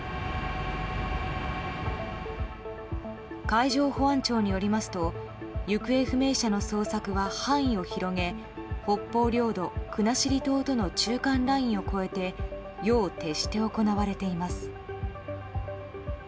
海上保安庁によりますと行方不明者の捜索は範囲を広げ、北方領土国後島との中間ラインを越えて夜を徹して行われています。